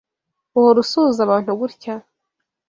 Uhora usuhuza abantu gutya?